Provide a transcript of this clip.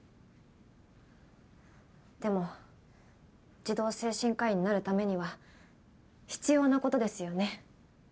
でも児童精神科医になるためには必要な事ですよね。